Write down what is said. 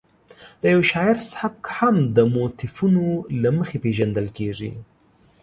د یو شاعر سبک هم د موتیفونو له مخې پېژندل کېږي.